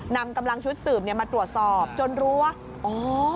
นำกำลังชุดสืบมาตรวจสอบจนรู้ว่า